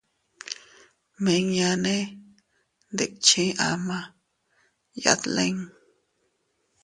Miña nee ndikche ama yadalin.